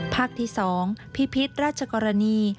ภาคที่๒พิพิษราชกรณี